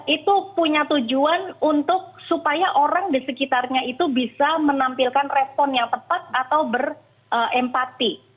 itu punya tujuan untuk supaya orang di sekitarnya itu bisa menampilkan respon yang tepat atau berempati